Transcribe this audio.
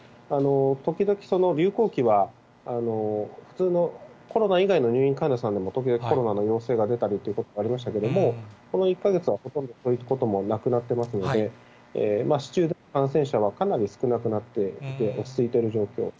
時々流行期は普通のコロナ以外の入院患者さんでも、時々コロナの陽性が出たりということもありましたけれども、この１か月はほとんどそういうこともなくなってますので、市中感染者はかなり少なくなっていて、落ち着いている状況。